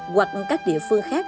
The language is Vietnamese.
hoặc các địa phương khác